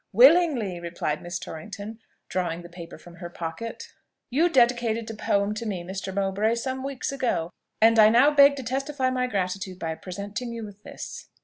"Willingly," replied Miss Torrington, drawing the paper from her pocket. "You dedicated a poem to me, Mr. Mowbray, some weeks ago; and I now beg to testify my gratitude by presenting you with this."